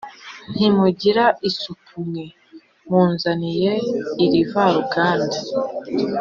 Ntimugira isuku mwe munzaniye irivaruganda!